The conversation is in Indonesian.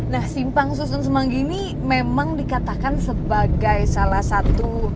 nah simpang susun semanggi ini memang dikatakan sebagai salah satu